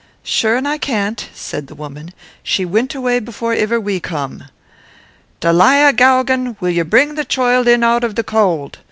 "Sure an' I can't," said the woman. "She wint away before iver we come." "Dalia Geoghegan, will ye bring the choild in out av the cowld?"